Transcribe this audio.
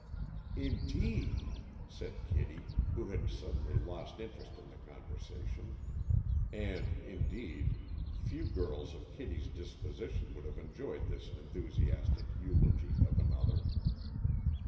"Indeed!" said Kitty, who had suddenly lost interest in the conversation. And indeed, few girls of Kitty's disposition would have enjoyed this enthusiastic eulogy of another.